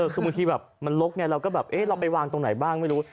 คือบางทีแบบมันลกไงเราก็แบบเอ๊ะเราไปวางตรงไหนบ้างไม่รู้